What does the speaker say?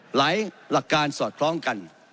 หลักการสอดคล้องกัน